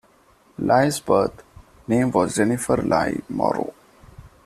Leigh's birth name was Jennifer Leigh Morrow.